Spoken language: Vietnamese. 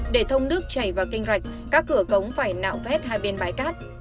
để thông nước chảy vào kinh rạch các cửa cống phải nạo vét hai bên bãi cát